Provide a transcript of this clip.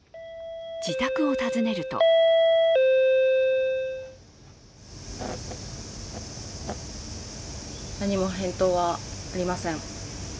自宅を訪ねると何も返答はありません。